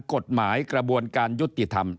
กฎหมายกระบวนการยุติธรรม